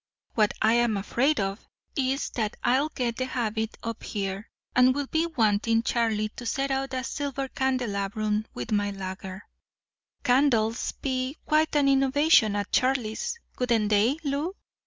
What I'm afraid of is that I'll get the habit up here, and will be wanting Charlie to set out a silver candelabrum with my lager. Candles'd be quite an innovation at Charlie's, wouldn't they, Lou?"